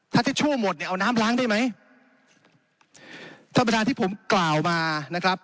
ถ้าทิชชู่หมดเนี่ยเอาน้ำล้างได้ไหมท่านประธานที่ผมกล่าวมานะครับ